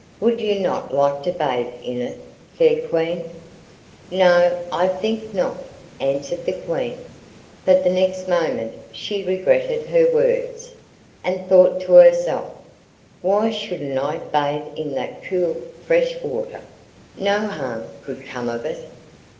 Would you not like to bathe in it, fair Queen?' 'No, I think not,' answered the Queen; but the next moment she regretted her words, and thought to herself: Why shouldn't I bathe in that cool, fresh water? No harm could come of it.